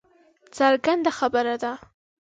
څرګنده خبره ده